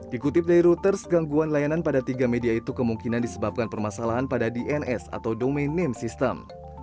dikutip dari reuters gangguan layanan pada tiga media itu kemungkinan disebabkan permasalahan pada dns atau domain name system